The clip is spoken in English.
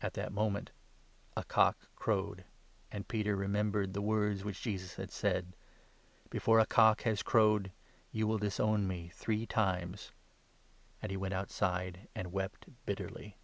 At that moment a cock crowed ; and Peter remembered the 75 words which Jesus had said —' Before a cock has crowed, you will disown me three times '; and he went outside, and wept bitterly.